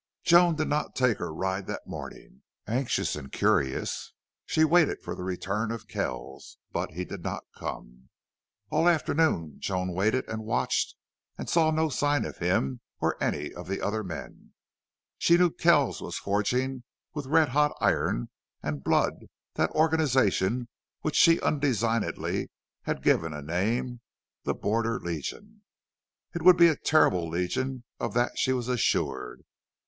Joan did not take her ride that morning. Anxious and curious, she waited for the return of Kells. But he did not come. All afternoon Joan waited and watched, and saw no sign of him or any of the other men. She knew Kells was forging with red hot iron and blood that organization which she undesignedly had given a name the Border Legion. It would be a terrible legion, of that she was assured.